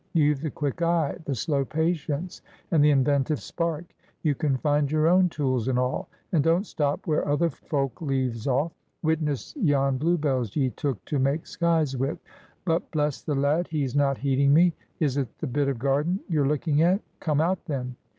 You've the quick eye, the slow patience, and the inventive spark. You can find your own tools and all, and don't stop where other folk leaves off: witness yon bluebells ye took to make skies with! But, bless the lad, he's not heeding me! Is it the bit of garden you're looking at? Come out then."